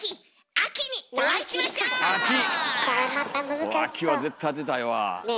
秋は絶対当てたいわ。ね！